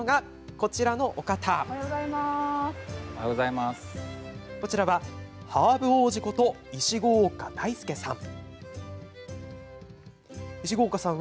こちらは、ハーブ王子こと石郷岡大助さん。